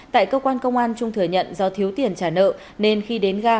tại cơ quan công an trung thừa nhận do thiếu tiền trả nợ nên khi đến ga